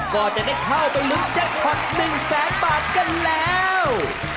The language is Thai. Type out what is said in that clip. ก็จะได้เข้าไปลึนเจ้นภักดิ์๑แสงบาทกันแล้ว